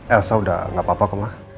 elsa udah gak apa apa ke ma